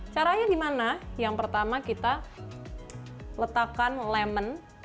caranya gimana yang pertama kita letakkan lemon